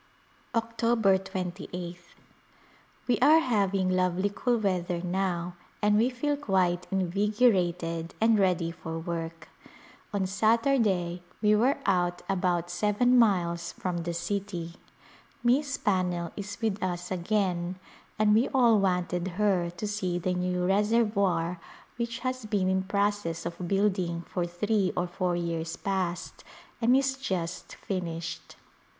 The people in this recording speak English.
October 28th. We are having lovely cool weather now and we feel quite invigorated and ready for work. On Satur day we were out about seven miles from the city. Miss Pannell is with us again and we all wanted her to see the new reservoir which has been in process of building for three or four years past and is just finished.